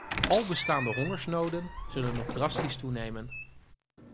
Al bestaande hongersnoden zullen nog drastisch toenemen.